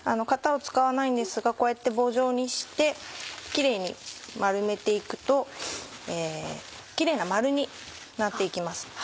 型を使わないんですがこうやって棒状にしてキレイに丸めて行くとキレイな丸になって行きます。